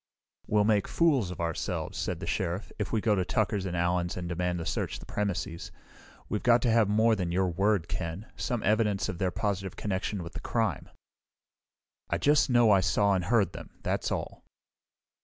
"We'll make fools of ourselves," said the Sheriff, "if we go to Tucker's and Allen's, and demand to search the premises. We've got to have more than your word, Ken; some evidence of their positive connection with the crime." "I just know I saw and heard them. That's all."